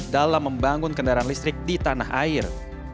dalam membangun kendaraan listrik di tanah air